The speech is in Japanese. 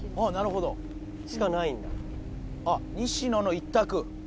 あなるほどしかないんだ西野の一択